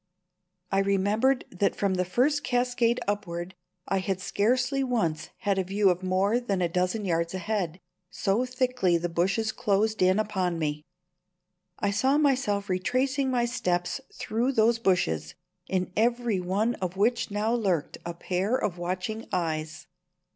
I remembered that from the first cascade upward I had scarcely once had a view of more than a dozen yards ahead, so thickly the bushes closed in upon me. I saw myself retracing my steps through those bushes, in every one of which now lurked a pair of watching eyes.